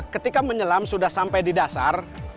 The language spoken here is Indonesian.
ketika menyelam sudah sampai di dasar